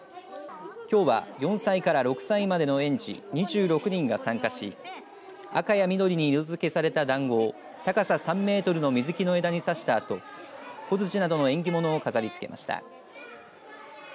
きょうは４歳から６歳までの園児２６人が参加し赤や緑に色づけされただんごを高さ３メートルの水木の枝に刺したあと小づちなどの縁起物を飾りつけました。